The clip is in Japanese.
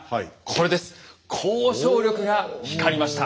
交渉力が光りました。